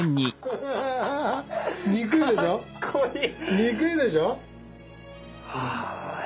憎いでしょ？